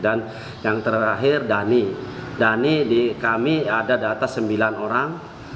dan yang terakhir dani dani di kami ada data sembilan orang